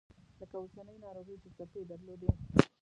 لکه اوسنۍ ناروغي چې څپې درلودې.